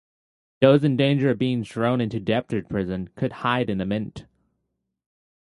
Those in danger of being thrown into debtors' prison could hide in the Mint.